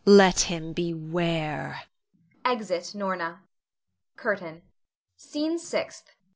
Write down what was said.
Let him beware! [Exit Norna. CURTAIN. SCENE SIXTH.